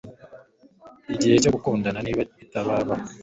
igihe cyo gukundana niba bitarabaho,